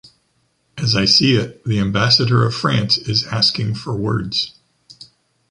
As I see it, the ambassador of France is asking for words.